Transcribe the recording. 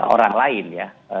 orang lain ya